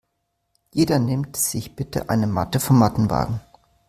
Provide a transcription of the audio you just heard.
Jeder nimmt sich bitte eine Matte vom Mattenwagen.